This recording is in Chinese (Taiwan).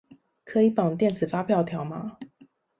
可以綁電子發票條碼